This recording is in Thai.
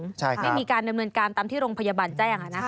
ใช่ครับใช่ครับไม่มีการดำเนินการตามที่โรงพยาบาลแจ้ง